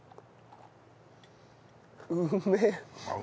うめえ。